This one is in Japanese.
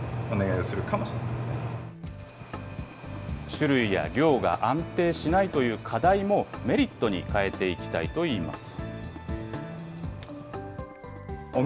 種類や量が安定しないという課題も、メリットに変えていきたいといいます。